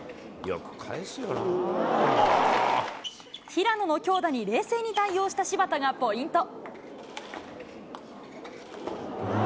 平野の強打に冷静に対応した芝田がポイント。